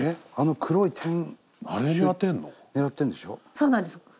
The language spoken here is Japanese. そうなんです。